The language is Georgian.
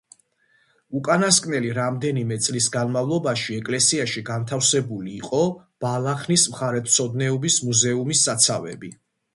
უკანასკნელი რამდენიმე წლის განმავლობაში ეკლესიაში განთავსებული იყო ბალახნის მხარეთმცოდნეობის მუზეუმის საცავები.